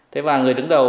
thế và người đứng đầu